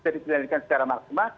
dikendalikan secara maksimal